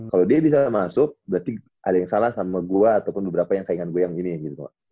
kalo dia bisa masuk berarti ada yang salah sama gua ataupun beberapa yang saingan gua yang gini gitu